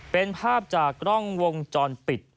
เป็นภาพจากกล้องวงจรปิด